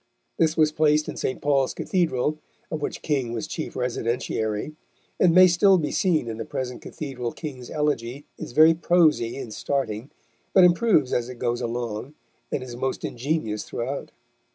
This was placed in St. Paul's Cathedral, of which King was chief residentiary, and may still be seen in the present Cathedral King's elegy is very prosy in starting, but improves as it goes along, and is most ingenious throughout.